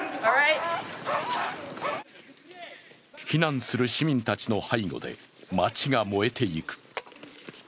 避難する市民たちの背後で街が燃えていく。